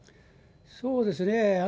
そうですね。